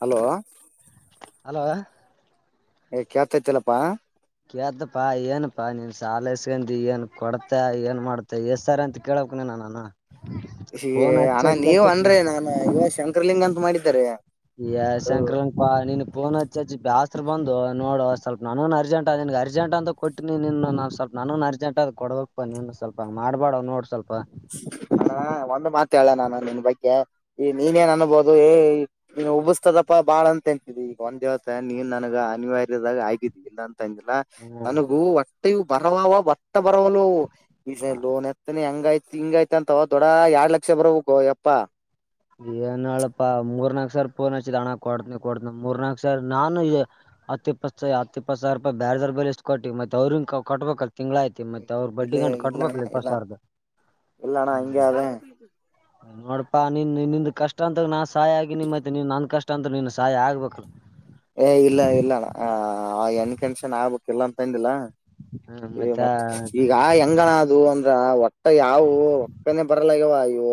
Hello hello ಏ ಕೇಳ್ತಾತಿಲಪ್ಪಾ ಕೇಳ್ತಪ್ಪಾ ಏನಪ್ಪಾ ನೀನ್ ಸಾಲ ಇಸ್ಕೊಂಡ ಏನ್ ಕೊಡ್ತ ಏನ್ ಮಾಡ್ತ ಎಸ್ ಸರ್ ಅಂತ ಕೇಳಕ್ ನ ಹ ಹಣ ನೀವ್ ಅನ್್ರೆ ನಾನು ಇವ ಶಂಕರ್ಲಿಂಗ ಅಂತ ಮಾಡಿದಿದ್ದಾರೆ ಸಂಕ್ರಾಂತಪಾ ನೀನ್ ಪಫೋನ್ ಹಚ್ಚಚ್ಚಿ ಬ್ಯಾಸರ ಬಂದು ನೋಡು ಸ್ವಲ್ಪ ನಾನು ಅರ್ಜೆಂಟ ಅಿನಗೆ ಅರ್ಜಂಟ್ ಅಂತ ಕೊಟ್ಟಿನಿ ನೀನು ನಾ ಸ್ವಲ್ಪ ನು ಅರ್ಜಂಟ ಕೊಡಬೇಕು ನೀ ಸ್ವಲ್ಪ ಆಡ್ಬಾ ಅ ನೋಡ್ ಸ್ವಪ ಹಾ ಒಂದು ಮಾ ೇಳ ನಾನು ನಿನ್ ಬಗ್ಗೆ ಈ ನೀನ್ ಏನ್ ಅನ್ಬಹುದು ಉಬಿಸ್ತದಪ್ಪ ಬಾಳ ಅಂತ ತಿಂತಿದಿ ಈಗ ಒಂದ್ ದಿವವಸ ನೀನ್ ನನಗ ಅನಿವಾರ್ಯದಾಗ ಆಗಿದ್ದೀ ಇಲ್ಲ ಿಲ್ಲ ಹ್ಮ್ ನನಗೂ ಹೊಟ್ಟೆಯು ಬರವವ ಬಟ್ಟ ಬರವಲು ಈ ಲೋನ್ ಎತ್ತನಿ ಹಂಗಯ್ತ್ ಹಿಂಗಯತ ಅಂತವ ದೊಡ್ಡ ಎರಡ್ ಲಕ್ಷ ಬರಬೇಕೋ ಯಪ್ಪಾ ಏನ್ ಹೇಳಪ್ಪಾ ಮೂರ್ನಾಕ್ ಸರ್ ಪೂರ್ನ್ ಹಚ್ಚಿದ್ ಹಣ ಕೊಡ್ತನಿ ಕೊಡ್ತನ ಮೂರ್ನಾಕಕ್ ಸರ್ ನಾನು ಹತ್ತ ಇಪ್ಪತ್ತ ಹತ್ತ ಇಪ್ಪತ್ತ ಸಾವಿರ ರೂಪಾಯಿ ಬೇರೆದಾರ ಬಲ್ಲಿ ಇಸ್ತು ಕೊಟ್ಟನಿ ಮತ್ತತ್ ಅವ್ರ ಕೊಟ್ಟಬೇಕಲ್ ತಿಂಗಗಳಾಯ್ತಿ ಮತ್ತೆ ಅವ್ರು ಬಡ್ಡಿ ಗಂಟು ಕಟ್ಬೇಕು ಅಲ ಇಪ್ಪತ್ತು ಸಾವಿರ ಇಲ್ಲಣಾ ಹಂಗೇ ನೋಡ್ಪಾ ನಿನ್ ನಿನ್ ಕಷ್ಟ ಅಂತಾಗ ನಾನ್ ಸಹಾಯ ಆಗಿನಿ ಮತ್ತೆ ನಿನ್ ನನ್ ಕಷ್ಟ ಅಂತ ನಿನ್ ಸಹಾಯ ಆಗ್ಬೇಕ ಏ ಇಲ್ಲ ಇಲ್ಲ ಎಣಕಂಷನ್ ಆಗ್ಬೇಕಕ್ ಇಲ್ಲ ಅಂತ ಅಂದಿಲ್ಲಾ ಏ ಮತ್ತೆ ಈಗ ಹೆಂಗಣ ಅದು ಅ ಒಟ್ಟೆ ಯಾವವು ಒಕ್ಕನೆೇ ಬರಲಾಗ್ಯವ ಇವು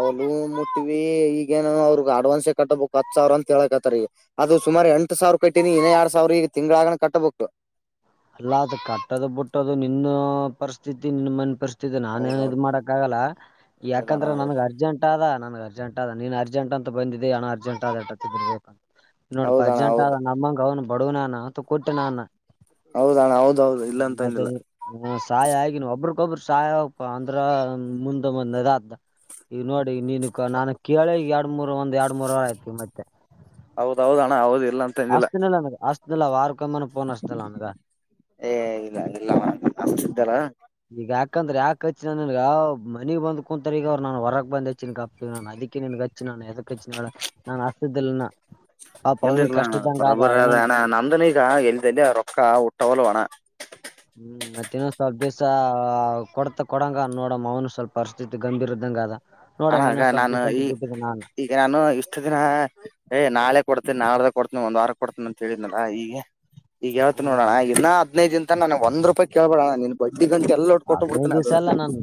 ಅವಳ ಮುಟ್ಟಿವವಿ ಈಗೇನ ಅವ್ರಗ್ ಅಡ್ವಾನ್ಸೇ ಕಟ್ಟಬೇಕು ಹತ್ ಸಾವಿರ ಅಂತ ಹೇಳಕ್ತ್ತರಿ ಅದು ಸುಮಾರ ಎಂಟು ಸಾವಿರ ಕಟ್ಟೀಿನಿ ಇನ ಎರಡ್ ಸಾವಿರ ಈಗ ತಿಂಗಗಳಗನ ಕಟ್ಟಬೇಕು ಅಲ್ಲ ಅದು ಕಟ್ಟೋದು ಬಿಟ್ಟದು ನಿನ್ನ ಪರಿಸ್ಥಿತಿ ನಿನ್ ಮನೆ ಪರಿಸ್ಥಿತಿ ನಾನೇಏನ್ ಇ್ ಹೌದೌದು ಮಾಡಕ ಆಾಗಲ್ಲ ಇಲ್ಲದಣ ಯಾಕಂದ್ರ ನನ್ಗ್ ಹೌದು ಅರ್ಜೆಂಟ್ ಆದ ನನ್ ಅರ್ಜೆಂಟ್ದ ನೀನ್ ಅರ್ಜೆಂಟ್ಂತ ಬಂದಿದ್ದಿದೆ ಹಣ ಅರ್ಜಂಟ್ ಅರ್ಬೇಕ ನೋಡಪ ಹೌದಣ ಅರ್ಜೆಂಟ್ ಆದ ಹೌದು ನಮ್ಮಂಗ ಅವ್ನ ಬಡವನಾನ ಅಥ ಕೊಟ್ಟ ನಾನ ಹೌದಣ ಹೌದೌದು ಇಲ್ಲ ಹ್ಮ ಅಂತ ಮತ್ತೆ ಅಂದಿಲ್ಲ ಹ ಸಾಯ ಆಗಿನ ಒಬರು ಬ್ಬ್ರ ಸಾಯ ಹೋಗಪ್ಪ ಅಂದ್ರ ಮುಂದ ಮಂದ್ದ್ದ ಈಗ ನೋಡಿ ನೀನು ಕ ನಾನು ಕೇಳ ಎರಡ್ ಮೂರ್ ಒಂದ್ ಎರಡ್ ಮೂರವರ ಆಯ್ತು ಮತ್ತೆ ಹೌದ ಹೌದಣ್ಣ ಹೌದ ಆಸ್ತನಿಲ್ಲ ಆಸ್ತನಿಲ್ಲ ವಾರ್ ಪೋನ್ತಲ್ಲ ಅಷ್ಟೇ ನಂಗ್ ಏ ಇಲ್ಲ ಇಲ್ಲಲ್ಲ ಈಗ ಯಾಕಂದ್ರೆ ಯಾಕೆಚ್ಚಿ ನನಗ ಮನಿಗ್ ಬಂದ ಕುಂತರ್ಗ ಅವ್ ನಾನು ಹೊರಗೆ ಬಂದ ಹೆಚ್ಚಿನ ಕ ನ ಅದಕ್ಕೆ ನನ್ಗೆ ಹಚ್ಚಿ ನಾನುದಕ್ ಕಚಿನಳ ನಾನು ಅಸತ್ದಲ್ಲನ್ನ ಎಲ್ಲಿರ್ಲ ಅಣ್ಣ ಅದು. ಬರೋಬರ್ ಆದಣ್ಣ ನಮ್ದನೂ ಈಗ ಎಲ್ದೆಲ್ಲಿ ರೊಕ್ಕ ಹುಟ್ಟವಲ್ಲುವ್ ಅಣ. ಹ್ಮ್ ಮತ್ತ ಇನ್ನೊಂದ ಸ್ವಲ್ ದಿವ್ಸ ಕೊಡತ ಕೊಡಂಗ ನೋಡ ನಮ್ಮ ಮಾವನು ಸ್ವಲ್ಪ ಪರಿಸ್ಥಿತಿ ಗಂಭೀರ್ ಇದ್ದಂಗ ಅದ. ಅಣ್ಣ ನೋಡಮ್ ಅದ ಇನ್ನೊಂದ್ ಸ್ವಲ್ಪ ನಾನು ದಿವ್ಸ ಅಂತ ಈ ಬಿಟ್ಟಿದ್ದೆ ನಾನ್ ಈಗ ನಾನು ಇಷ್ಟು ದಿನ ಏ ನಾಳೆ ಕೊಡ್ತೇನಿ ನಾಡ ಕೊಡ್ತನ ಒಂದ್ ವಾರ ಕೊಡ್ತನ ಅಂತ ಹೇಳಿದ್ನಾ ಈಗೆ ಈಗ ಯಾವತ್ ನೋಡಣ ಹ್ಮ್ ಇನ್ನು ಹದಿನೈದ ದಿನಾತನ್ ನನಗ ಒಂದ್ ರೂಪಾಯಿ ಕೇಳ್ಬೇಡ್ ಅಣ್ಣಾ ನೀನು ಹದ್ನೈದ ದಿವ್ಸ ಎಲ್ಲಾ ನನ್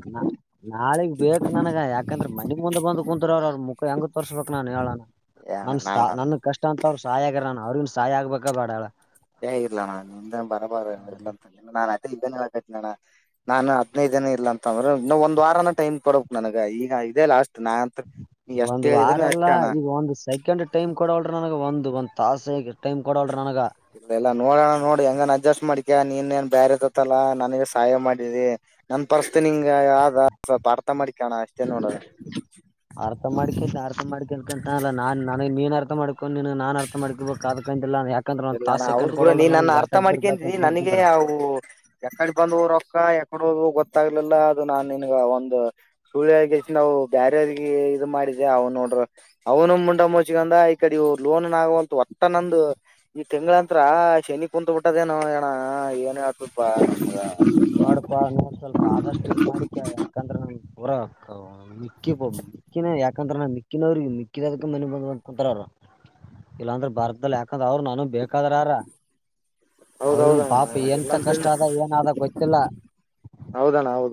ನಾಳಿಗ್ ಬೇಕ ನನಗ ಯಾಕಂದ್ರ ಮ ಮನಿ ಮುಂದ ಬಂದ ಕುಂತ್ರ ಅವ್ರ ಮುಖ ಹೆಂಗ ತೋರ್ಸಬೇಕ್ ನಾನ್ ಹೇಳಣ ಏಣ ನಮ್ಮ ಸ್ತ್ ನಾನ್ ನನ್ ಕಷ್ಟ ಅಂತ ಅವ್ರ ಸಹಾಯ ಆಗ್ಯಾರ ಅಣ್ಣಾ ಅವ್ರಗಿನು ಸಹಾಯ ಆಗ್ಬೇಕ ಬ್ಯಾಡ್ ಹೇಳ್. ಹೇ ಇಲ್ಲಾ ಅಣ್ಣಾ ನಿಂದ ಬರಬರ ಇಲ್ಲಂತ ಅಲ್ಲ ಇದ್ದಂಗ ಹೆಳಕತ್ತನ್ ಅಣ್ಣಾ ನಾನ್ ಹದ್ನೈದ ದಿನಾ ಇಲ್ಲ ಅಂತಂದ್ರ ಇನ್ನ್ ಒಂದ ವಾರನ ಟೈಮ್ ಕೊಡಬೇಕ್ ನನಗ ಈಗ ಇದ ಲಾಸ್ಟ್ ನಾ ಅಂತ ನೀ ಎಷ್ಟ್ ಒಂದ್ ಹೇಳಿದ್ರನು ವಾರಲ್ಲ ಅಷ್ಟೇ ಅಣ್ಣ ಈಗ ಒಂದ ಸೆಕೆಂಡ್ ಟೈಮ್ ಕೊಡೋವಲ್ರ ನನಗ ಒಂದು ಒಂದ ತಾಸಿಗ್ ಟೈಮ ಕೊಡ ಇಲ್ಲ ಇಲ್ಲ ನೋಡ ಅಣ್ಣಾ ನೋಡ ಹೆಂಗನಾ ಅಡ್ಜಸ್ಟ್ ಮಾಡ್ಕ ನೀನ್ ಏನ್ ಬ್ಯಾರೆದತ್ತಲ್ಲಾ ನನಗ ಸಹಾಯ ಮಾಡಿದಿ ನನ್ ಪರಿಸ್ತಿ ನಿಂಗ ಯಾವ್ದ ಸ್ವಲ್ಪ್ ಅರ್ಥಾ ಮಾಡ್ಕೊ ಅಣ್ಣಾ ಅಷ್ಟೇ ನೋಡ್. ಅರ್ಥ ಮಾಡ್ಕ ಅರ್ಥ ಮಾಡ್ಕ ಅನ್ಕಂತಾನಲ್ಲ ನಾನ್ ನನಗ್ ನೀನ್ ಅರ್ಥ ಮಾಡ್ಕೊಂಡೀನ್ ನಾನ್ ಅರ್ಥ ಮಾಡ್ಕಬೇಕ ಅದ [unintelligible] ಯಾಕ್ ಇಲ್ಲ ನ ಹೌದ್ ಬಿಡ ನೀ ನನ್ನ ಅರ್ಥ ಬರ್ಬೇಕಂತ ಮಾಡ್ಕೇಂತೀನಿ ನನಗೆ ಬಂದ್ಕಂದ್ರ ಅವು ಯಕಡೆ ಬಂದುವೋ ರೊಕ್ಕ ಯಕ ಹೊದುವೋ ಗೊತ್ತಾಗಲಿಲ್ಲ ಅದ ನಾನ್ ನಿನ್ಗ ಒಂದ ಸುಳ್ಳ ಹೆಲ್ಕೇಶಿಂದ ಅವು ಬ್ಯಾರೆರಿಗ ಇದು ಮಾಡಿದ ಅವ್ನ್ ನೋಡ್ರ ಅವ್ನು ಮುಂಡ ಮುಚ್ಕೊಂಡ್ ಈ ಕಡೆ ಇವು ಲೋನ್ ನೂ ಆಗವಲ್ತ್ ಒಟ್ಟ ನಂದು ಈ ತಿಂಗಳಂತ್ರ ಶನಿ ಕುಂತ್ ಬಿಟ್ಟದೇನೋ ಏಣ ಏನ ಮಾಡ್ಪಾ ನೋಡ್ ಸ್ವಲ್ಪ ಆದಷ್ಟು ಇದ ಮಾಡಿಕ್ಯ ಯಾಕಂದ್ರ ನಂಗ [unintelligible] ಮಿಕ್ಕಿ ಬೋ ಮಿಕ್ಕಿನ ಯಾಕಂದ್ರ ಮಿಕ್ಕಿನವ್ರಿಗೆ ಮಿಕ್ಕಿದಕ್ ಮನಿಗ್ ಬಂದ ಕುಂತಾರ್ ಅವ್ರು. ಇಲ್ಲಾಂದ್ರ ಬರ್ದಲ್ಲ ಯಾಕಂದ್ರ ಅವ್ರ ನನಗ್ ಬೇಕಾದ್ರಾರ ಅವ್ರನ್ ಹೌದೌದಣ್ಣ ಪಾಪ ಏನ್ ಇಂತ ಇಲ್ಲಂತ ಕಷ್ಟ ಆದ ಏನಾದ ಗೊತ್ತಿಲ್ಲ. ಹೌದಣ್ಣ ಹೌದು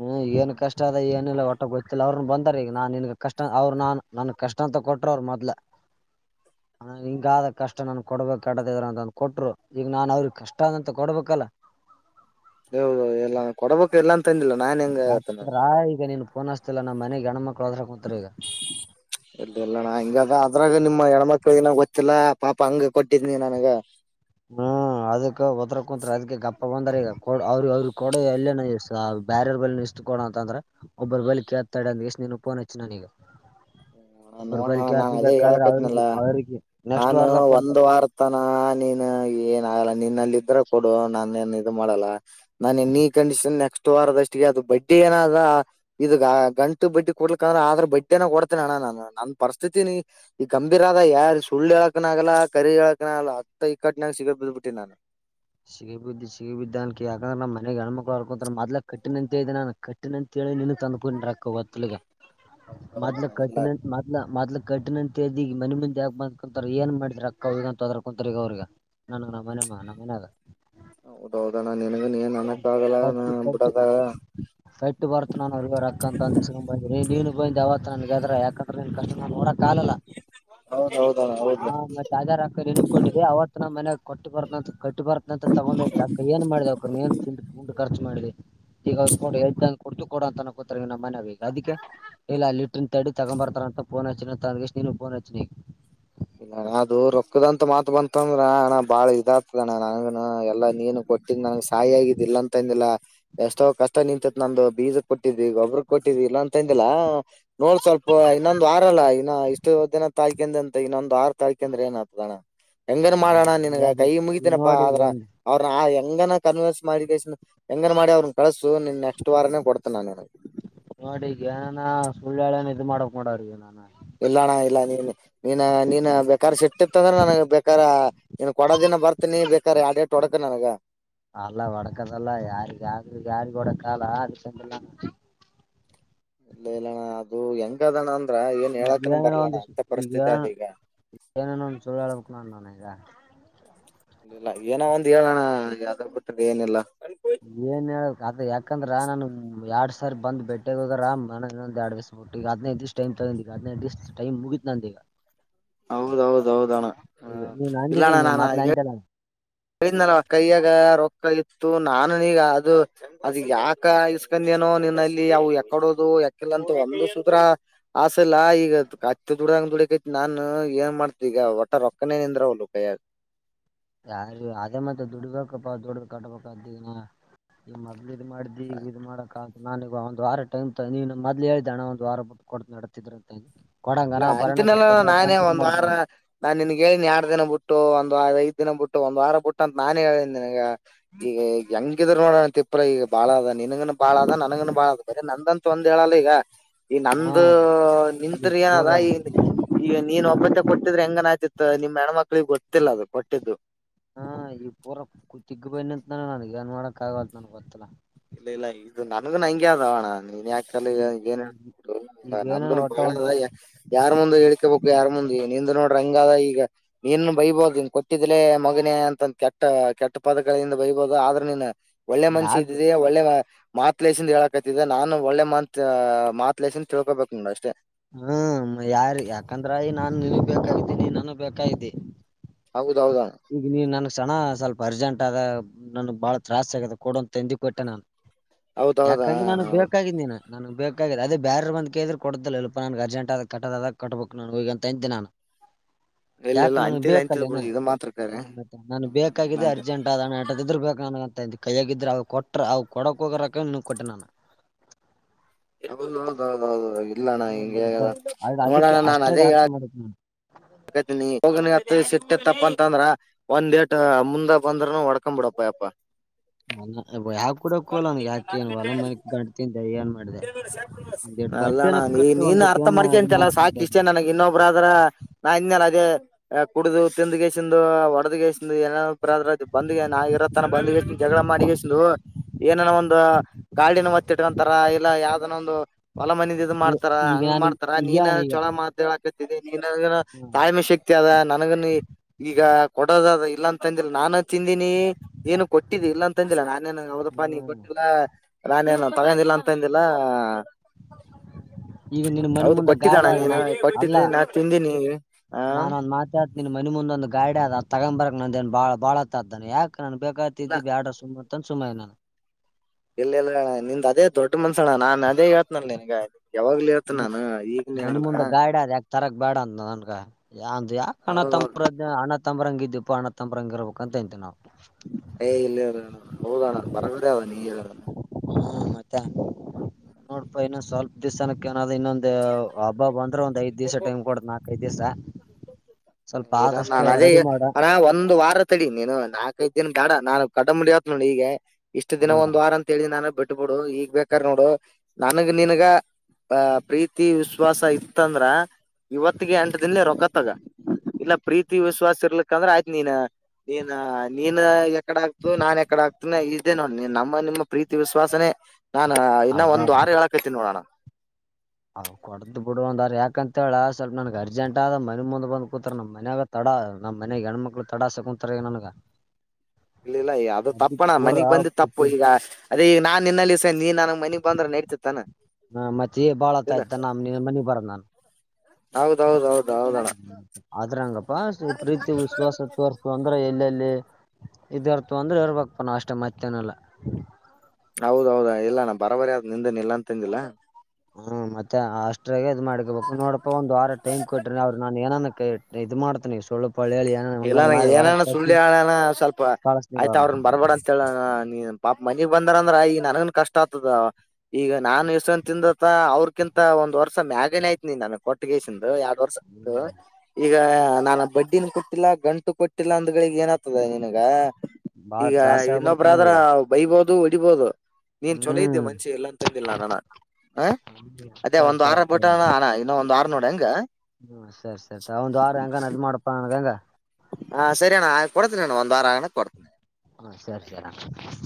ಹ್ಮ್ ಏನ್ ಕಷ್ಟ ಅದ ಏನ್ ಒಟ್ಟ ಗೊತ್ತಿಲ್ಲ ಅವ್ರನು ಬಂದಾರ ಈಗ ನಾನ್ ನಿನ್ಗ ಕಷ್ಟ ಅವ್ರು ನಾನ್ ನನ್ ಕಷ್ಟ ಅಂತ ಕೊಟ್ರ ಅವ್ರ ಮೊದ್ಲ [inaudible] ಅಣ್ಣಾ ಹಿಂಗಾದ ಕಷ್ಟ ನನ್ ಕೊಡ್ಬೇಕ ಕೆಡದಿದ ಇದ್ರ ಅಂತ ಕೊಟ್ರು ಈಗ ನಾನ್ ಅವ್ರಿಗ ಕಷ್ಟ ಆದಂತ ಕೊಡ್ಬೇಕಲ್ಲ. [unintelligible] ಏ ಹೌದ ಎಲ್ಲಾ ಕೊಡಬೇಕ್ ಇಲ್ಲಾ ಅಂತಂದಿಲ್ಲ. ನಾನ್ ಹೆಂಗ ಆತ ನಾನ್ ಯಾಕಿದ್ರ ಈಗ ನೀನ್ ಫೋನ್ ಹಸ್ತಿಲ್ಲ ನಮ್ಮ ಮನೆಗ್ ಹೆಣ ಮಕ್ ಇದೆಲ್ಲಣಾ ಇಂಗಾದ ಅ ಅದ್ರಾಗ ನಿಮ್ಮ ಹೆಣ್ಮಕ್ಳಗನ ಗೊತ್ತಿಲ್ಲ ಪಾಪ ಹಂಗ ಕೊಟ್ಟಿದ್ನಿ ನನಗ್. ಹಾ ಅದಕ್ಕ ಒದರಕ್ಕ ಕುಂತ್ರ ಅದಕ್ಕೆ ಗಪ್ಪ ಬಂದಾರ ಈಗ್ ಕೋಡ್ ಅವ್ರ ಅವ್ರಿಗೆ ಕೊಡ ಎಲ್ಲನಾ ಬ್ಯಾರರ್ ಬಲ್ ಇಸ್ದ ಕೊಡ ಅಂತ ಅಂದ್ರ ಒಬ್ಬರ ಬಲ್ಲಿ ಕೇಳ್ತ ತಡಿ ಅಂದಕೇಶ್ ನಿಂಗ್ ಫೋನ್ ಹಚ್ಚಿ ನಾನಿಗ್. ನೋಡಣ ನಾನ್ ಅದೇ ಹೇಳ್ಕತ್ನಲ್ಲ ಅವ್ರಿಗೆ ಅವ್ರಿಗೆ ನೆಕ್ಸ್ಟ್ ನಾನು ವಾರದಾಗ ಕೊಡ್ತ ಒಂದ್ ವಾರ ತನ ನೀ ಏನ ಆಗಲ್ಲ ನಿನ್ನಲ್ಲಿ ಇದ್ರ ಕೊಡು ನನ್ ಏನ್ ಇದು ಮಾಡಲ್ಲ ನಾನ ಎನಿ ಕಂಡೀಷನ್ ನೆಕ್ಸ್ಟ್ ವಾರದಷ್ಟಿಗೆ ಅದು ಬಡ್ಡಿ ಏನಾದ ಆ ಇದು ಗ ಗಂಟು ಬಡ್ಡಿ ಕೊಡ್ಲಿಕ್ಕ ಅಂದ್ರ ಆದ್ರ ಬಡ್ಡಿನ್ ಕೊಡ್ ಅಣ್ಣಾ ನಾನ ನನ್ ಪರಿಸ್ಥಿತಿ ನೀ ಈಗ ಗಂಭೀರ ಅದ ಯಾರ ಸುಳ್ಳು ಹೇಳಕನ ಆಗಲ್ಲಾ ಕರೆ ಹೇಳಕನ ಆಗಲ್ಲ. ಹಿಂತಾ ಈಕಟ್ಟನಾಗ ಸಿಗದ ಬಿದ್ಬಿಟ್ಟಿ ನಾನ. ಸಿಗಿ ಬಿದ್ದಿ ಸಿಗಿ ಬಿದ್ದ ಅನ್ಕ ಯಾಕಂದ್ರ ನಮ್ಮ ಮನ್ಯಾಗ ಹೆಣ್ಮಕ್ಕಳ ಹರ್ಕೋತ್ತಾರ್ ಮೊದಲ ಕಟ್ಟೆನಂತ ಹೇಳಿದ್ದ ನಾನ ಕೆಟ್ಟೆನಂತ್ ಹೇಳಿ ನಿನಗ ತಂದ್ಕೊಂಡ ರಕ್ಕ ಗೊತ್ತಿಲಿಗ ಮದ್ಲ ಹೌದೌದಣ ಇಲ್ಲ ಕಟ್ಟಿನಂತ್ ಮದ್ಲ ಮದ್ಲ ಕಟ್ಟಿನಂತ ಹೇಳಿದ್ದಿ ಈಗ ಮನಿ ಮುಂದ ಯಾಕ ಬಂದ ಕುಂತಾರ್ ಏನ್ ಮಾಡಿದ ರಕ್ಕ ಅವ ಅಂತ ಒದರ್ಕೊಂತಾರ ಈಗ ಅವ್ರಿಗ್ ನನಗ್ ನಮ್ಮ ಮನ್ಯಾಗ [unintelligible] ಮನ್ಯಾಗ. ಹೌದ ಹೌದಾ ನ ಹ ಕಟ್ಟ ಕಟ್ಟ ಕಟ್ಟ ಬತತ್ ನಾನನ್ ಅವಗ ರಕ್ಕಂತಂದಿಸ್ಕೊಂಡ ಬಂದ ನೀನ್ ಬಂದ ಅವವತ್ ನನ್ಗ್ರ ಯಾಕ ನ್ ಕಷ್ಟ ನಾನ ನೋಡಕ್ಾಲಲ್ಲ ಹೌದಾ ಹೌ ಹಾ ಮತ್ತೆಜ ಅಕ್ಕ ಏ ಕೊಟ್ಟಿದ್ದಿ ಅವತ್ ನಮ್ಮ ಮನೆಯಗ್ ಕೊಟ್ಟ ಬರ್ಂತ ಕಟ್ಟಿ ಬರ್ತ ಅಂತ ತಗೊಂಡ ಇದ್ರ ಅಕ್ಕ ಏನ್ ಮಾಡಿದ ಏನ್ ತಿಂದ ಉಂಡ ಖರ್ಚು ಮಾಡಿ ಈಗ ಕೊಡ್ತು ಕೊಡ ಅಂತ ಅಕೋತಾರೆ ನಮ್ಮ ಮನ ಈ ಅದಕ್ಕೆ ಇಲ್ಲ ಅಲ್ಲಿ ಇಟ್ಟ ತಡಿ ತಗೊಂಡೊಂಬರ್ತಾರ ಮತ್ತೋಚ ತಂದ ನೀನುಫೋಚನಿ ಇಲ್ಲ ಅದು ರೊಕ್ಕದಂತ ಮಾತ ಬಂತಂದ್ರ ಅಣ್ಣ ಬಾಳ ಇದಾಗಗ್ತದಣ್ಣ ನನ ಎಲ್ಲಾ ನೀನು ಕೊ ಕೊಟ್ಟಿದ್ದ್ ನನ್ಗೆ ಸಾಯಿ ಆಗಿದ ಇಲ್ಲ ಅಂತ ಅಂದಿಲ್ಲ ಎಷ್ಟೋ ಕಷ್ಟ ನಿಂತತ್ ನಂದು ಬೀಜ ಕೊಟ್ಟಿದ್ದಿ ಒಬ್ಬ್ರ ಕೊಟ್ಟಿದ ಇಲ್ಲ ಅಂತಂದಿಲ್ಲ ನೋಡ್ ಸ್ವಲ್ಪ ಇನ್ನೊಂದು ವಾರಲ್ಲ ಇನ್ನ ಇಷ್ಟು ದಿನ ತಾಯಕ ಮತ್ತ ಇನ್ನೊಂದುರು ತಾರೀಕ ಅಂದ್ರ ಏನ್ ಆತದಣ ಹೆಂಗನ್ ಮಾಡೋಣ ಈಗ ನಿನ್ಗ ಅದು ಕೈ ಈಗ ಮುಗಿತನಪ್ಪಾ ನೋಡಿ ಈಗ ಆದ್ರ ಒಂದ್ ಅವ್ರನ ಕನ್ನ್ಸ್ ಮಾಡ ಹೆಂಗನ್ ಮಾಡಿ ಅವ್ರನ ಕಳಸು ನಿನ್ ನೆಕ್ಸ್ಟ್ ವಾರಾನೇ ಕೊಡ್ತ ನಾನುನಗೆ ಏನನ ಸುಳ್ಳಳನ ಇದ್ ಮಾಡಕ್ ಮಾಡವ್ರಿಗೆಗ ನಾನ ಇಲ್ಲಣ್ಣ ಇಲ್ಲ ನೀನ್ ನೀ ನೀನ್ ಬೇಕಾರ್ ಸಿಟ್ಟಿತ್ತ ಅಂದ್ರೆ ನನಗ್ ಬೇಕ ಇನ್ ಕೊಡದಿನ ಬರ್ತಿನಿ ಬೇಕ ಯಡ ನನಗೆ ಅಲ್ಲ ಒಡಕದಲ್ಲ ಯಾರಿಗೆ ಯಾರ ಯಾರಿಗೆಗ ಕೊಡ ಕಾಲ ಅದು ಚಂದಲ್ಲ [inaudible] ಇಲ್ಲ ಇಲ್ಲಣ್ಣ ಅದು ಹೆಂಗ ಅದಣ್ಣ ಅಂದ್ರ ಏನ್ ಈಗ ಹೇಳಕನ ಬರ್ಲಣ ಅಂತ ಪರಿಸ್ಥಿತಿ ಅೀಗ ಏನನೋ ಒಂದು ಸುಳ್ಳ ಅಳವಕಣ ನಾನ ಈಗ ಇಲ್ಲ ಇಲ್ಲ ಏನ ಒಂದ್ ಹೇಳೋಣ ಯಾವ್ದಾರ ಗತ್ತ ಏನಿಲ್ಲ ಏನ್ ಹೇಳ ಅದ ಯಾಕಂದ್ರ ನಾನ ಎಡ್ ಸರ್ ಬಂದು ಬೆಟ್ಟೆಗೆ ಹೋಗರಾಮ ನನಂದಂದು ಎರಡುಿವ್ಟ್ಟ ಈ ಹದಿನೈದು ದಿವ ೈಮ್ ತಗೊಂಡಿ ಈ ಹದಿನೈದು ದಿವ್ ಟೈ್ ಮುಗಿತು ನಂದ ಈಗ ಹೌದೌದೌದಣ ಈಗ ಹ್ಮ ನೀನ್ ಅಂದಿದ್ದೀನಿ ಮತ್ನಾ ಅಂತಲ್ಲ ಕನಲ್ಲವ ಕೈಯಾಗ ರೊಕ್ಕ ಇ ಇತ್ತು ನಾನು ನೀ ಈಗ ಅದು ಅದ ಯಾಕ ಇಸ್ಕಂದೇನೋ ನಿನ್ನಲ್ಲಿ ಅವು ಯಕಾಡೋದು ಯಾಕ ಲ್ಲಂತ ಒಂದು ಸೂತ್ರ ಆಸೆ ಇಲ್ಲ ಈಗ ಕ ದುಡಂಗ ದುಡಕೈತ್ ನಾನ್ ಏನ್ ಮಾಡ್ತ ಈಗ ಹೊಟ್ಟ ರೊಕ್ಕನೆ ನಿಂದ್ರ ಹಲುಕ ಯಾರ [inaudible] ಯಾರ ಅದೇ ಮತ್ತೆ ದುಡ್ಡಬೇಕಪ್ಪಾ ದುಡ್ಡ ಕಟ್ಬೇಕಾದಿನ ಈ ಮೊದ್ಲು ಇದ್ ಮಾಡ್ದಿ ಈಗ ಇದ್ ಮಾಡಕ ನಾನೀಗ ಒಂದ್ ವಾರ ಟೈಮ್ ನೀ ಮೊದ್ಲ ಹೇಳ್ದಣ ಒಂದ್ ವಾರ ಕೊಡತ ನಡತಿದ್ರ ಅಂತೆ ಇಲ್ಲ ಅಂತಿನೆಲ್ಲ ನಾನೇ ಒಂದ್ ವಾರ ನಾನು ನಾನ್ ನಿನ್ಗ್ ಹೇಳನಿ ಎರಡ್ ದಿನ ಬಿಟ್ಟು ಒಂದ ಒ ಐದ್ ದಿನ ಬಿಟ್ಟು ಒಂದ್ ವಾರ ಬಿಟ್ಟ ಅಂತ ನಾನೇ ಹೇಳನ ಈಗ ಈಗ ಹೆಂಗಿದ್ರ ನೋಡಣ ಅಂತಪ್ಪ ಅಪ್ರ ಈಗ ಬಾಳ್ಳದ ನನ್ಗನು ಬಾಳ ಅದ ನನಗನು ಬಾಳ ಅದ ಬರೀ ನಂದಂತ ಒಂದ್ ಹೇಳಲ್ಲ ಈಗ ಈ ಹಾ ನಂದು ಈಗ ನಿಂತರು ಪೂರ ಏನದ ಈ ಈಗ ನೀನ್ ಒಬಚ ಕೊಟ್ಟಿದ್ರೆ ಹೆಂಗನ ಯ್ತಿತ್ತು ನಿಮಮ್ಮ ಹೆಣ್ಮ ಮಕ್ಳಿಗೆ ಗೊತ್ತಿಲ್ಲ ಅದು ಕೊಟ್ಟಿದ್ದು ಹಾ ಈ ಪೂರ ತಿಗ್ಗಬಯ ನಿಂತಾನ ನನಗೆಏನ್ ಮಾಡಕ್ಕೆ ಕಾಗ ನಾನು ಕೊತ್ತಲ ಇಲ್ಲ ಇಲ್ಲ ಇದು ನನ್ಗು ನ ಹಂಗೆ ಆದೋಣ ನೀನ್ ಯಾಕ ಈ ಏನ್ ಈಗ ಹಬ ಏನೇನ ನ ಒಟ್ಟ ಒಂದ್ ಬಹಳ ಯಾರ ಮುಂದ ಹೇಳ್ಕಬೇಕು ಯಾರ ಮುಂದ ನಿ ನೋರ ಹಂಗ ಈಗ ನೀನು ಬೈಬೋದು ಕೊಟ್ಟಿದ್ಲೇ ಮಗನ ಅಂತ ಕೆಟ್ಟ ಕೆಟ್ಟ ಪದಗಳಿಂದ ಬೈಬಹುದು ಆದ್ರೆ ನೀನ್ ಒಳ್ಳೆ ಮನ್ಷಿ ಇದ ಯಾಕ ಒಳ್ಳೆ ಮಾತ ಲೇಸ ಹೇಳಕತಿದ್ದ ನಾನು ಒಳ್ಳೆ ಮಾತ್ ಮಾತ ಲಸ ತಿಳ್ಕೊಬೇಕು ನೋ್ ಅಷ್ಟೇ ಹ್ಮ ಯಾರ ಯಾಕಂದ್ರ ನಾನು ನಿ ಬೇಕಾಗಿದ್ದೀನಿ ನಾನು ಬೇಕಾಗಿದ್ದಿ ಹೌದೌದ ಚನ ಸ್ವಲ್ಪ ಅರ್ಜೆಂಟ್ ಆದ ನನ್ಗ್ ಬಾಳ ತ್ರಾಸಸ್ ಆಗತೆ ಕೊಡಂತ ತಂದಿ ಕೊಟ್ಟೆ ನಾನು ಹೌದೌದಾ ಯಾಕಂದ್ರೆ ನನಗ್ ಬೇಕಾಗಿದ್ದಿನ ನನಗ್ ಬೇಕಾಗಿ ಅದೇ ಬ್ಯಾರ ಬಂದ ಕೇಳಿದ್ರರು ಕೊಡ್ತಲ್ಲಲ್ ನನಗೆ ಅರ್ಜೆಂಟ್ ಆದ ಕಟ್ಟದಾದಾಗ ಕಟ್ಬೇಕು ನಾನು ಹಗ ಅಂತ ಎಂತಿ ನಾನು ಇಲ್ಲ ಯಾಕ ಇಲ್ಲ ನಾನು ಅಂತಿದ್ ಅಂತಿದ್ ಬಿಡು ಬೇಕಲ್ಲೇನು ಇದು ಮಾತ್ರ ಕರೆ ಹ ಮತ್ತೆ ನನ್ ಹಾ, ಇಲ್ಲ ಬೇಕಿದ್ದ ಅಂದೆ. ಅರ್ಜೆಂಟ್ ಅದಣ ಆ ಇದ್ ಬೇಕ ಕೈಯಾಗಿದ್ರೆ ಅವ ಕೊಟ್ರ ಅವ ಕೊಡಕ್ ಹೋಗಕ ಕೊಟ್ಟೆ ನಾನು ಇಲ್ಲಣ ಹ್ಮ್ ಹಂಗ ಮತ್ತ ಹೇಗಲ್ಲ ಅದ್ ನೋಡಣ ಅದಕ್ಕೆ ನಾನ್ ಅಷ್ಟ್ರಾಗ ಅದೇ ಅರ್ಥ ಹೇಳ ಮಾಡ್ಬೇಕ್ ನೀನ್ ಹೈತನಿ ಹೋಗನತ್ ಸಿಟ್ಟೆ ತಪ್ಪ ಅಂತಂದ್ರ ಒಂದ್ ೇಟ್ ಮುಂದ ಬಂದ್ರನು ಒಡ್ಕೊಂಡ್ ಬಿಡಪ್ಪ ಹಪಾ ಯಾಕ್ ಕೊಡಕ್ ಹೋಗಲ್ಲ ಗರ್ತಿ ನನ್ಗ್ ಯಾಕೆ ಏನ್ ನಕಟ ಹೊಲ ಮನಿ ಗಂಟತಿಂದೆ ಏನ್ ಮಾಡಿದೆ ಕೆ ವರ್ಷ ವರ್ಷ ಒಂದೆರಡು ಬಡ್ಡೆನ ಅಲ್ಲಣ್ಣ ನೀ ಕಟ್ಟು ನೀನ್ ಒಂದಿಟ್ಟು ಅರ್ಥ ಏನ ಇದು ಮಾಡ್ಕೇಂತೆಲ್ಲ ಮಾಡ್ಕೊಂತ ಸಾಕು ಇಷ್ಟೇ ನನಗೆ ಇನ್ನೊಬ್ರ ಆದ್ರ ನ್ನೆಲೆ ಅದ ಕುಡು ತಿಿಂದ ಗಸಂದು ಹೊಡದಗೆಸಂದು ಏ ಬ್ರದ್ರ ಬಂದ್ ನ ಇರತ್ತ ಬಂದ ಜಡ ಮಗಸಲು ಏನನೋ ಒಂದು ಗಾಡಿನ ಮತ್ತಿಟ್ಕೊಂತಾರ ಇಲ್ಲ ಯಾವ್ದನ ಒಂದು ಹೊಲ ಮನದ ಇದ ಮಾಡ್ತಾರ ಈಗ ಹಂಗ್ ನಾನು ಮಾಡ್ತಾರ ಈಗ ನೀನ್ ಈಗ ಚಛಲೋ ಮಾಕತ ನೀ ಹ್ಮ್ ತಾಯ್ಮೆ ಶಕ್ತಿ ಅದ ನನಗನು ಈಗ ಕೊಡೋದ ಅದ ಇಲ್ಲ ಅಂತಂದಿಲ್ಲ ನಾನು ತಿಂದಿನಿ ಏನು ಕೊಟ್ಟಿದ್ದ ಇಲ್ಲ ಅಂತಂದಿಲ್ಲ ನಾನೇನು ಯಾವದಪ್ಪ ನೀ ಹ್ಮ್ ಕೊಟ್ಟಿಲ್ಲ ನಾನೇನನು ತಗೊಂಡಿಲ್ಲ ಅಂತ ಮತಂದಿಲ್ಲಾ ಈಗ ನಿನ್ ಮನಿ ಹೌದು ಮುಂದ ಗಾಡಿ ಕೊಟ್ಟಿದ್ದಣ ನೀನು ಕೊಟ್ಟಿದ್ದಿ ನಾು ತಿಂದೀನಿ ಆ ನಾನನ್ ಒಂದ ಮಾತಾತನನ್ ಮನೆಿ ಮುಂದ್ ಒಂದು ಗಾಡಿ ಆದ ತಗೊಂಬ ಬರಕ್ ನಂದ ಏ ಬಾ ಬಾಳ ಹತ್ತತ ಅ್ದಾನೆ ಯಾಕ್ ಅ ನಾನನ್ ಇಲ್ಲ ಬೇಕಾಗತಿದ್ದೀಿ ಬ್ಯಾಡ ಸುಮತ ಸುಮ್ಮನೆ ನಾನು ಇಲ್ಲ ಇಲ್ಲಣ್ಣ ನಿಂದ ಅದೇ ದೊಡ್ಡ ಮನ್ಸಣ ನಾನ್ ಅದೇ ಹೇಳ್ತನಲ್ಲಿ ನಿನ್ಗ ಯಾವಾಗ್ಲ ಇತ್ ಮ- ನಾನ ಈಗ್ನ್ ಹೇಳಲ್ಲ ಬೇಡ ಅಂತ ನನ್ಗ ಯಾಕ ಅಣಣ ಹೌದೌದು ತತ್ತಂಬ ರಂಗ ಇದ್ಪ್ಪ ಅಣ ತಂಬಂಗ ಇರ್ಬೇಕ ಅಂತಿವಿಾವು ಾವಿ ಇ ಹಾ ಮತ್ತೆ ನೋಡ್ಪಾ ಇನ್ನು ಸ್ವಲ್ಪ ದಿವ್ಸಾನಕ್ಕೆ ನ ಇನ್ನೊಂದು ಹಬ್ಬ ಬಂದ್ರೆ ಒಂದ್ ಐದ್ ದಿವ್ಸ ಟೈಮ್ ಕೊಡ ನಾಕೈಐ್ ದಿವ್ಸ ಸ್ವಲ್ಪ ಇರ ಆದಷ್ಟು ನಾನ್ ಅಜೇ ರೆಡಿ ಮಾಡ ಅಣ ಒಂದ್ ವಾರ ತಳ ನೀನು ನಾಕೈದ್ ದಿನ ಗಾಡ ನಾನು ಕಡ ಮುಡಿಯತ್ ನೋಡಿ ಈಗ ಇಷ್ಟು ದಿನ ಹ್ಮ್ ಒಂದ್ ವಾರ ಅಂತೇಳಿ ನಾನೇ ಬಿಟ್ಟು ಬಿಟ್ಬಿಡು ಈಗ್ ಬೇಕಾರ್ ನೋಡು ನನ್ಗ್ ನೀನ್ಗ ಆ ಪ್ರೀತಿ ವಿಶ್ವಾಸ ಇತ್ತಂದ್ರ ಇವತ್ತಿಗೆ ಎಂಟ ದಿಂದೇ ರೊಗತ್ ಗ ಇಲ್ಲ ಪ್ರೀತಿ ವಿಶ್ವಾಸ ಇರ್ಲಿಕ್ಕ ಅಂದ್ರೆ ಆಯ್ತು ನೀನ್ ನೀನ್ ನೀನ್ ಕಡೆ ಆಗ್ತು ನಾನ್ ಎ ಕಡೆ ಆಗ್ತ ಇದೇ ನೋ ನಮ್ಮ ನಿಮ್ಮ ಪ್ರೀತಿ ವಿಶ್ವಾಸನೇ ನಾನ್ ಇನ್ನ ಒಂದು ಆರು ಹೇಳಕ್ೈತೀನ ನೋಡೋಣ ಅವ್ ಕೊಡ್ದ್ ಬಿಡುವಂದಾರ ಯಾಕಂತ ಹೇಳ ಸ್ವಲ್ಪ ನನಗ್ ಅರ್ಜೆಂಟ್ ಆದ ಮನೆ ಮುಂದೆ ಬಂದ ಕೂತ ನಮ್ಮ ಮನ್ಯಾಗ ತಡ ನಮ್ಮ್ ಮನೆಗೆ ಹೆಣ್ಮಕ್ಳು ತಡಾಸ ಕುಂತಾರೆ ನನ್ಗ ಇಲ್ಲ ಇಲ್ಲ ಅದು ಅದಕ್ ತಪ್ಪಣ್ಣ ಪೂರ ಮನಗ್ ಬಂದಿದ್ದ ತಪ್ಪ ಹ ಈಗ ಅದ ಈಗ ನಾನ್ ನಿನ್ನಲ್ಲಿ ನೀನ್ ನನಗ್ ಮನೆಗ್ ಬಂದ್ರೆ ನಡ್ತ ತಾನೆ ಹಾ ಮತ್ತೆ ಬಾಳತ ಆಯ್ತ ನಮ ಮನಿ ಬರ ನಾನನ್ ಹೌದೌದೌದ ಹೌದ ಆದ್ರ ಹಂಗಪ್ಪಾ ಪ್ರೀತಿ ವಿಶ್ವಾಸ ತರ್ಸು ಅಂದ್ರೆ ಎಲ್ಲೆಲ್ಲಿ ಇದ ಅರ್ಥವಂದ್ರೆ ಇರ್ಬೇಕಕ್ ಪನ ಅಷ್ಟೇ ಮತ್ತೇನಲ್ಲ ಹೌದೌದ ಇಲ್ಲಾನ ಬರಬರಿ ಆದ ನಿಂದನ್ ಇಲ್ಲಾ ಅಂತಂದಿಲ್ಲಾ ಹ್ಮ ಮತ್ತೆ ಅಷ್ಟ್ರಾಗ ಇದ್ ಮಾಡ್ಕಬೇಕು ನೋಡಪ್ಪಾ ಒಂದ್ ವಾರ ಟೈಮ್ ಕೊಟ್ಟಟ್ರಿ ಅವ್ರರು ನಾನ್ ಏನ ಇದ ಮಾಡ್ತೇನೆ ಸ್ವಲ್ಪ ಪಳ್ಳಿ ಹೇಳಿ ಇಲ್ಲ ನಂಗೆ ಏನಣ ಸುಳ್ಳಿ ಹೇಳಣ ಸ್ವಲ್ಪ ಕಳಸ್ನಿ ಆಯ್ತ ಅವ್ರನ್ನ ಅವ್ರನ್ ಬರ್ಬೇಡ ಅಂತ ಹೇಳಣ ನೀ ಪಾಪ ಮನಿಗ್ ಬಂದಾರ ಅಂದ್ರ ಆ ಈಗ ನನಗನ್ ಕಷ್ಟ ಆಗ್ತದ ಈಗ ನಾನನ್ ಇಸನ್ ತಿಂದತ್ತ ಅವ್ರಕಿಂತ ಒಂದು ವರ್ಷ ಮ್ಯಾಗನ ಆಯ್ತಿ ನೀ ನನ ಕೊಟ್ಟಗಸಂದು ಯಾವ್ದ್ ವರ್ಷ ಆಯು ಈಗ ನಾನ ಬಡ್ಡಿನ ಕು ಕೊಟ್ಟಿಲ್ಲ ಗಂಟು ಕೊಟ್ಟಿಲ್ಲ ಅಂದ್ಗಳಗ್ ಏನ ಆತದ ನಿನಗ ಬಾಳ ಈಗ ತ್ರಾಸ ಆಗ್ಬಿಡ್ತಾನ ಇನ್ನೊಬ್ರಾದ್ರ ಈಗ ಬೈಬೋದು ಹೊಡಿಬೋದು ನೀನ್ ಚೊಲೋ ಇದ್ದೀ ಹ್ಮ್ ಮಂಷಿ ಎಲ್ಲಾ ಅಂತಂದಿಿಲ್ಲ ನಾನ ಅಣ್ಣ ಹ ಅದೇ ಸರಿ ಒಂದ್ ಸರಿ ವಾರ ಸರಿ ಪುಟ್ಟ ಇನ್ನೊ ಒಂದ್ ವಾರ ನೋಡ ಹಂಗ ಹ್ಮ ಸರಿ ಸರಿ ಒಂದ್ ವಾರ ಹಂಗನ್ ಅದ್ ಮಾಡಪ್ಪಾ ನನ್ಗ ಹಂಗ ಹಾ ಸರಿಣ್ಣ ಕೊಡ್ತೇನ ನಣ್ಣ ಒಂದ್ ವಾರಗಣಕ್ಕೆ ಕೊಡ್ತನನೆ ಹಾ ಸರಿ ಸರಿ